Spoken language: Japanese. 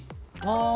ああ！